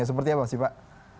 seperti apa sih pak